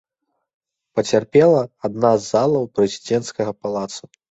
Пацярпела адна з залаў прэзідэнцкага палаца.